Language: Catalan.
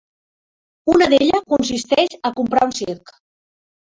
Una d'ella consisteix a comprar un circ.